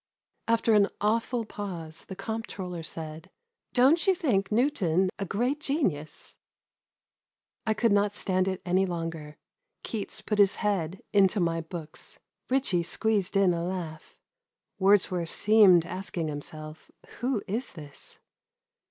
After an awful pause the comptroller said, "Don't you think Newton a great genius?" I could not stand it any longer. Keats put his head into my books. Ritchie squeezed in a laugh. Wordsworth seemed asking himself, '* Who is this